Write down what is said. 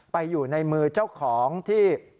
ไปอยู่ในมือเจ้าของที่